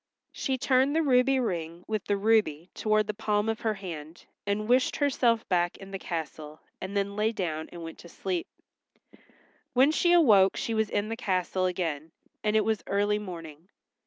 She turned the ruby ring with the ruby toward the palm of her hand, and wished herself back in the castle and then lay down and went to sleep. When she awoke she was in the castle again, and it was early morning.